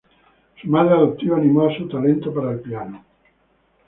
Su madre adoptiva animó a su talento para el piano.